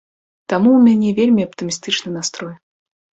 Таму ў мяне вельмі аптымістычны настрой.